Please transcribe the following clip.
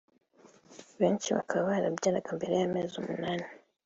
benshi bakaba barabyaraga mbere y’amezi umunani